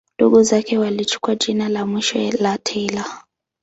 Ndugu zake walichukua jina la mwisho la Taylor.